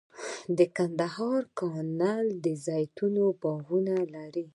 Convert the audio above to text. د ننګرهار کانال د زیتون باغونه لري